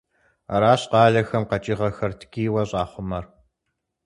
Аращ къалэхэм къэкӀыгъэхэр ткӀийуэ щӀахъумэр.